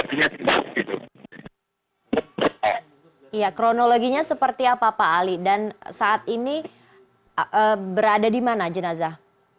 iya kronologinya seperti apa pak ali dan saat ini berada di mana jenazah